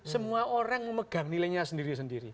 semua orang memegang nilainya sendiri sendiri